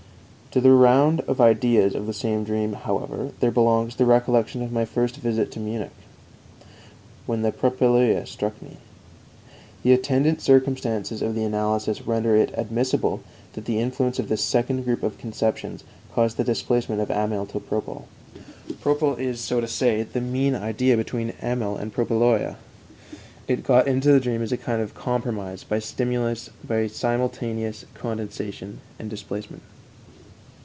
To the round of ideas of the same dream, however, there belongs the recollection of my first visit to Munich, when the Propyloea struck me. The attendant circumstances of the analysis render it admissible that the influence of this second group of conceptions caused the displacement of amyl to propyl. Propyl is, so to say, the mean idea between amyl and propyloea; it got into the dream as a kind of compromise by simultaneous condensation and displacement.